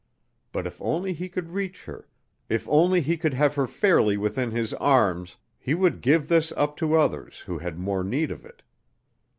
But if only he could reach her, if only he could have her fairly within his arms, he would give this up to others who had more need of it.